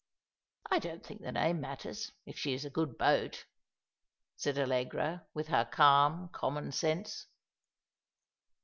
" I don't think the name matters, if she is a good boat," said AUegra, with her calm common sense.